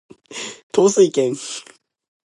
統帥権